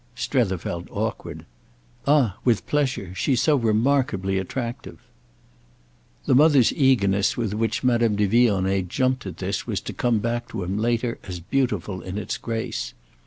Strether felt awkward. "Ah with pleasure—she's so remarkably attractive." The mother's eagerness with which Madame de Vionnet jumped at this was to come back to him later as beautiful in its grace.